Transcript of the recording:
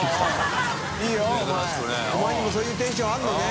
いいお前お前にもそういうテンションあるのね。